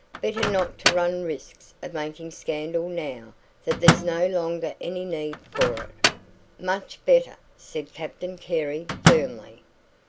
Better not to run risks of making scandal now that there's no longer any need for it." "Much better," said Captain Carey firmly.